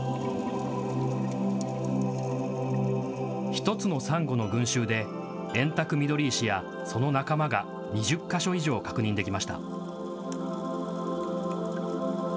１つのサンゴの群集でエンタクミドリイシやその仲間が２０か所以上確認できました。